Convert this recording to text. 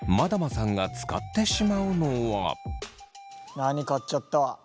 何買っちゃった？